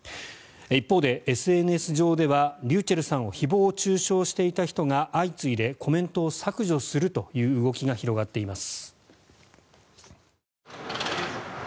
一方でＳＮＳ上ではｒｙｕｃｈｅｌｌさんを誹謗・中傷していた人が相次いでコメントを削除するという動きが広がっています。